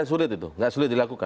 menurut anda tidak sulit itu